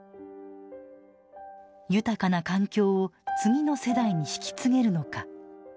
「豊かな環境を次の世代に引き継げるのか」。